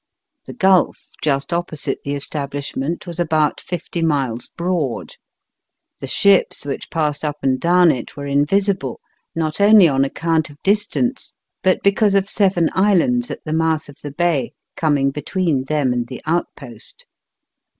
The gulf, just opposite the establishment, was about fifty miles broad. The ships which passed up and down it were invisible, not only on account of distance, but because of seven islands at the mouth of the bay coming between them and the outpost.